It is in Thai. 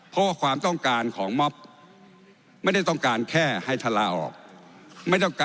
เพราะว่าความต้องการของม็อบไม่ได้ต้องการแค่ให้ชะลาออกไม่ต้องการ